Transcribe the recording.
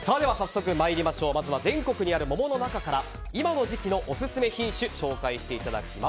まずは全国にある桃の中から今のオススメ品種を紹介していただきます。